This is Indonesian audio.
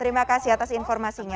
terima kasih atas informasinya